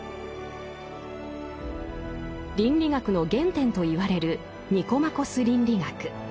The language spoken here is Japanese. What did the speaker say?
倫理学の原点と言われる「ニコマコス倫理学」。